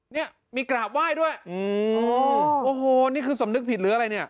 เนี่ยมีกราบไหว้ด้วยอืมโอ้โหนี่คือสำนึกผิดหรืออะไรเนี่ย